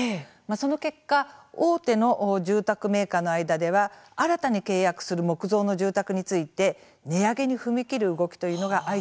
その結果大手の住宅メーカーの間では新たに契約する木造の住宅について値上げに踏み切る動き